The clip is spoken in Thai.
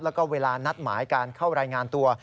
แล้วก็เวลานัดหมายการเข้ารายงานตัว